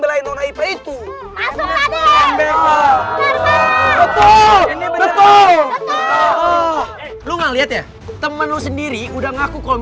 ketemu area itu sama sajagrade yang saya really selamat malam